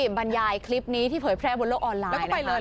ที่บรรยายคลิปนี้ที่เผยแพร่บนโลกออนไลน์